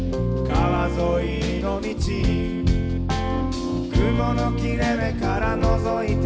「川沿いの道」「雲の切れ目からのぞいた」